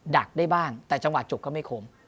ักได้บ้างแต่จังหวะจุกก็ไม่คม